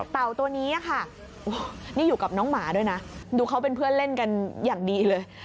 เต่าตัวนี้ค่ะนี่อยู่กับน้องหมาด้วยนะดูเขาเป็นเพื่อนเล่นกันอย่างดีเลย